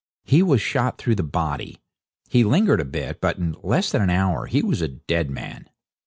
He was shot through the body. He lingered a bit; but in less than an hour he was a dead man.